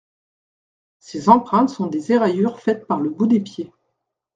Ces empreintes sont des éraillures faites par le bout des pieds.